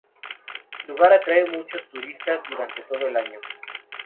El lugar atrae a muchos turistas, durante todo el año.